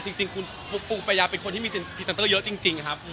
จริงคุณปูปรายาเป็นคนที่มีพรีเซนเตอร์เยอะจริงครับ